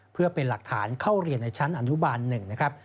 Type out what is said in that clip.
เพื่อเป็นหลักฐานเข้าเรียนในชั้นอนุบาล๑นะครับ